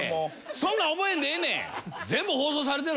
そんなん覚えんでええねん。